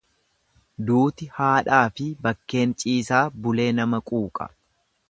Duuti haadhaafi bakkeen ciisaa bulee nama quuqa.